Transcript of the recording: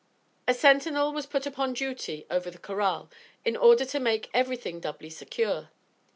A sentinel was put upon duty over the corral, in order to make everything doubly secure.